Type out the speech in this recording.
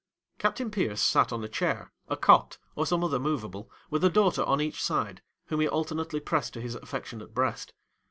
Captain Pierce sat on a chair, a cot, or some other moveable, with a daughter on each side, whom he alternately pressed to his affectionate breast.